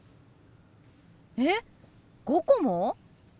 えっ５個も？